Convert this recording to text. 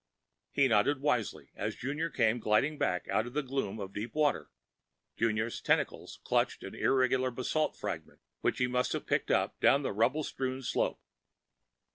He nodded wisely as Junior came gliding back out of the gloom of deep water. Junior's tentacles clutched an irregular basalt fragment which he must have picked up down the rubble strewn slope.